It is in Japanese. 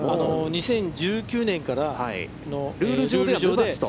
２０１９年からルール上では。